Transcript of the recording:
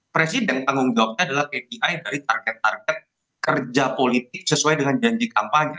presiden tanggung jawabnya adalah kpi dari target target kerja politik sesuai dengan janji kampanye